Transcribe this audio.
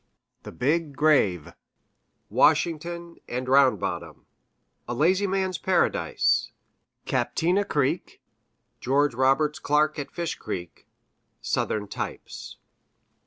The Big Grave Washington, and Round Bottom A lazy man's Paradise Captina Creek George Rogers Clark at Fish Creek Southern types.